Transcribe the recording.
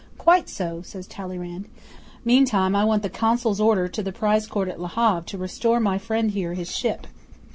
'"Quite so," says Talleyrand. "Meantime I want the Consul's order to the Prize Court at Le Havre to restore my friend here his ship."